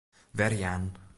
Werjaan.